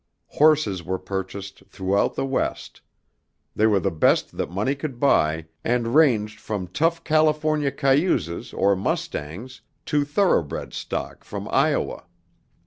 Horses were purchased throughout the West. They were the best that money could buy and ranged from tough California cayuses or mustangs to thoroughbred stock from Iowa.